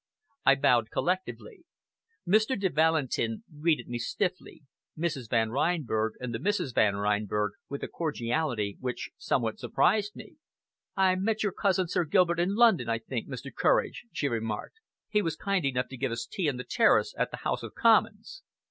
I bowed collectively. Mr. de Valentin greeted me stiffly, Mrs. Van Reinberg and the Misses Van Reinberg, with a cordiality which somewhat surprised me. "I met your cousin, Sir Gilbert, in London, I think, Mr. Courage," she remarked. "He was kind enough to give us tea on the terrace at the House of Commons."